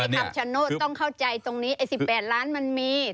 คำชโนธต้องเข้าใจตรงนี้ไอ้๑๘ล้านมันมี